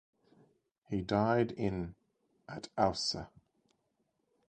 He died in at Aussee.